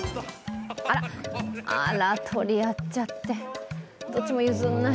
あら、取り合っちゃって、どっちも譲らない。